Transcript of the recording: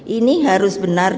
ini harus benar